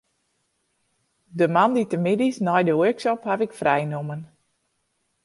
De moandeitemiddeis nei de workshop haw ik frij nommen.